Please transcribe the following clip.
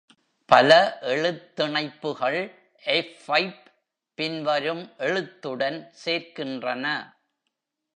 பல எழுத்திணைப்புகள் fஐப் பின்வரும் எழுத்துடன் சேர்க்கின்றன.